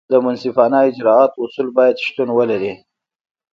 د منصفانه اجراآتو اصول باید شتون ولري.